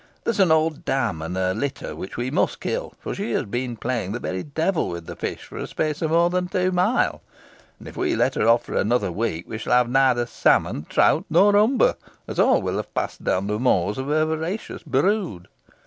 There is an old dam and her litter whom we must kill, for she has been playing the very devil with the fish for a space of more than two miles; and if we let her off for another week, we shall have neither salmon, trout, nor umber, as all will have passed down the maws of her voracious brood."